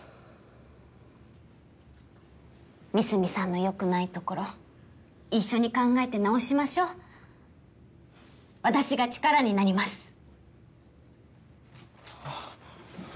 美澄さんのよくないところ一緒に考えて直しましょ私が力になりますあっえっ